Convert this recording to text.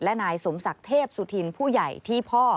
และนายสมศักดิ์เทพสุธินผู้ใหญ่ที่พ่อ